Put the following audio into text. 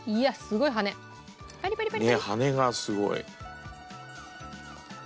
ねえ羽根がすごい。